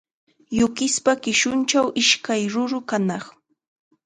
Yukispa qishunchaw ishkay ruru kanaq.